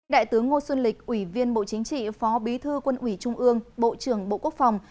đại tướng ngô xuân lịch ủy viên bộ chính trị phó bí thư quân ủy trung ương bộ trưởng bộ quốc phòng